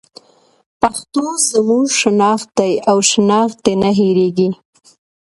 پښتو زموږ شناخت دی او شناخت دې نه هېرېږي.